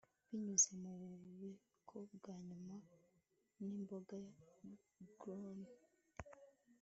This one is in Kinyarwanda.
binyuze mu bubiko bwa nyuma n'imboga groyne